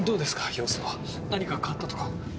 様子は何か変わったとか。